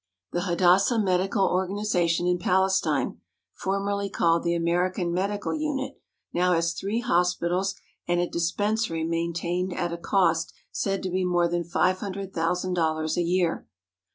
201 THE HOLY LAND AND SYRIA The Hadassah Medical Organization in Palestine, for merly called the American Medical Unit, now has three hospitals and a dispensary maintained at a cost said to be more than five hundred thousand dollars a year.